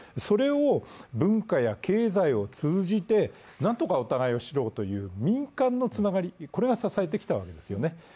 それを文化や経済を通じて何とかお互いを知ろうという民間のつながりが支えてきたわけです。